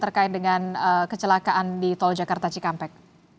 terkait dengan kecelakaan di tol jakarta cikampek